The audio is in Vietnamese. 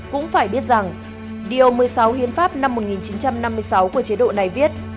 cũng phải biết rằng điều một mươi sáu hiến pháp năm một nghìn chín trăm năm mươi sáu của chế độ này viết